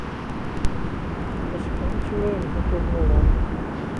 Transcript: Azekka, ad turarem takurt n uḍar.